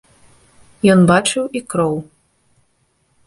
Ён бачыў і кроў.